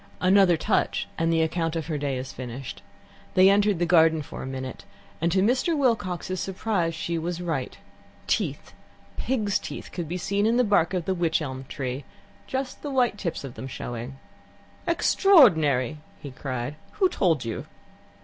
Another touch, and the account of her day is finished. They entered the garden for a minute, and to Mr. Wilcox's surprise she was right. Teeth, pigs' teeth, could be seen in the bark of the wych elm tree just the white tips of them showing. "Extraordinary!" he cried. "Who told you?"